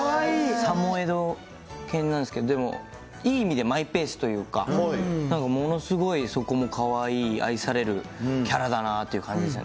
サモエド犬なんですけど、でも、いい意味でマイペースというか、なんかものすごいそこもかわいい、愛されるキャラだなという感じですね。